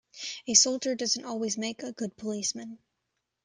A soldier doesn't always make a good policeman.